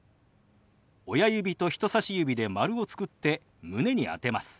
親指と人さし指で丸を作って胸に当てます。